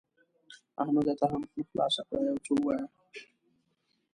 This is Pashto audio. احمده ته هم خوله خلاصه کړه؛ يو څه ووايه.